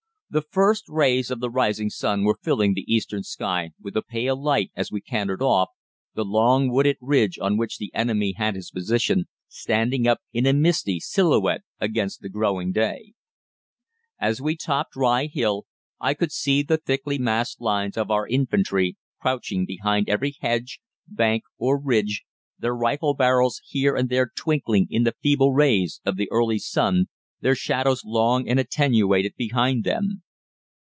The first rays of the rising sun were filling the eastern sky with a pale light as we cantered off, the long wooded ridge on which the enemy had his position standing up in a misty silhouette against the growing day. [Illustration: GERMAN ATTACK ON THE LINES OF LONDON] "As we topped Rye Hill I could see the thickly massed lines of our infantry crouching behind every hedge, bank, or ridge, their rifle barrels here and there twinkling in the feeble rays of the early sun, their shadows long and attenuated behind them.